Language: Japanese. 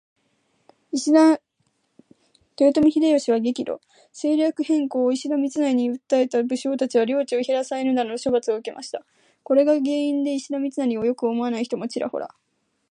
豊臣秀吉は激怒。戦略変更を石田三成に訴えた武将達は領地を減らされるなどの処罰を受けました。これが原因で石田三成を良く思わない人たちもちらほら。